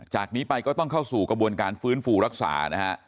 จากนี้ไปก็ต้องเข้าสู่กระบวนการฟื้นฟูรักษานะฮะ